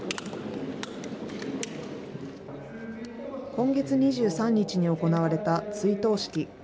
今月２３日に行われた追悼式。